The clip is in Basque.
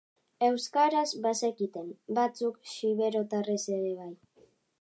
Euskaraz bazekiten, batzuk xiberotarrez ere bai.